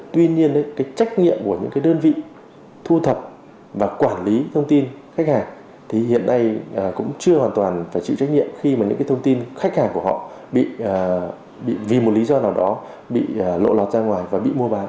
tuy nhiên cái trách nhiệm của những cái đơn vị thu thập và quản lý thông tin khách hàng thì hiện nay cũng chưa hoàn toàn phải chịu trách nhiệm khi mà những cái thông tin khách hàng của họ bị vì một lý do nào đó bị lộ lọt ra ngoài và bị mua bán